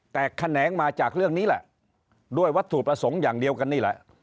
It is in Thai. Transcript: แต่แขนงมาจากเรื่องนี้แหละด้วยวัตถุประสงค์อย่างเดียวกันนี่แหละ